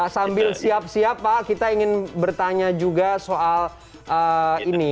sambil siap siap pak kita ingin bertanya juga soal ini